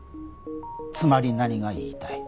つまり何が言いたい？